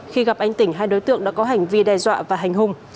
khi gặp anh tỉnh hai đối tượng đã có hành vi đe dọa và hành hung